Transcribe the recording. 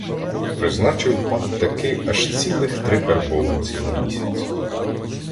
Призначив пан таки аж цілих три карбованці на місяць.